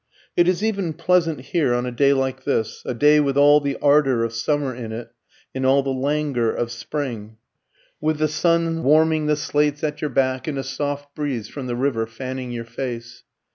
It is even pleasant here on a day like this, a day with all the ardour of summer in it, and all the languor of spring, with the sun warming the slates at your back, and a soft breeze from the river fanning your face.